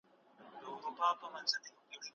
که هغوی موافق نه وي تعهد مه اخلئ.